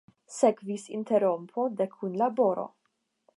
Sekvis interrompo de kunlaboro.